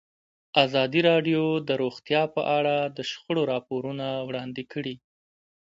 ازادي راډیو د روغتیا په اړه د شخړو راپورونه وړاندې کړي.